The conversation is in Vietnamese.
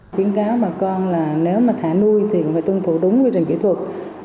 khuyến cáo bà con là nếu mà thả nuôi thì cũng phải tuân thủ đúng quy trình kỹ thuật